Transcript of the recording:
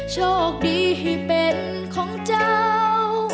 โชคดีให้เป็นของเจ้า